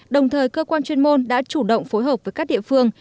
đồng thời cơ quan chuyên môn đã chủ động phối hợp với các địa phương